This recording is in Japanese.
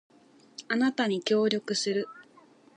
あなたに協力する